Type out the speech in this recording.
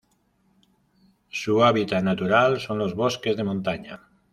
Su hábitat natural son los bosques de montaña.